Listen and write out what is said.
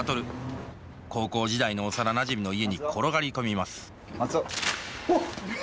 高校時代の幼なじみの家に転がり込みますうわっ！